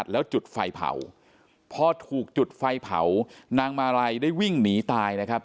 แล้วจุดไฟเผาพอถูกจุดไฟเผานางมาลัยได้วิ่งหนีตายนะครับ